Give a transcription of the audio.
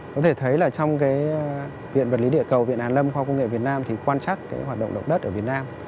có thể thấy là trong viện vật lý địa cầu viện hàn lâm khoa cung nghệ việt nam thì quan trắc hoạt động động đất ở việt nam